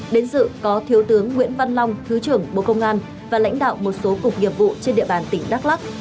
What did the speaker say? đến dự có thiếu tướng nguyễn văn long thứ trưởng bộ công an và lãnh đạo một số cục nghiệp vụ trên địa bàn tỉnh đắk lắc